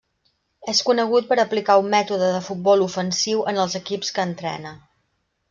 És conegut per aplicar un mètode de futbol ofensiu en els equips que entrena.